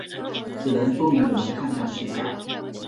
只能说明我们的抗战是假的。